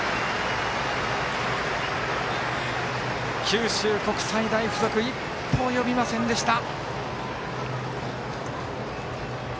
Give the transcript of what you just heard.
九州国際大付属一歩及びませんでした。